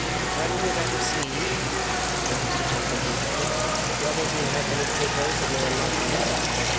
"Hadn't you better see," says Mr. Tulkinghorn to Krook, "whether he had any papers that may enlighten you?